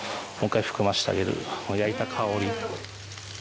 焼いた香り。